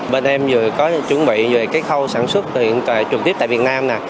bên em vừa có chuẩn bị về cái khâu sản xuất truyền tuệ truyền tiếp tại việt nam